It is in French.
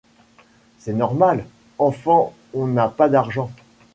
C'est normal, enfant on n'a pas d'argent.